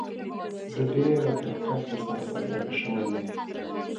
زه ډېره تر کرک ورسره بدرګه شوی یم.